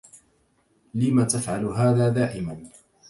لم تفعل هذا دائما؟